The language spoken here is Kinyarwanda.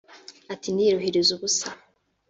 Iti “Ndiruhiriza ubusa